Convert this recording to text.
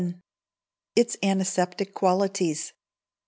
Its Antiseptic Qualities.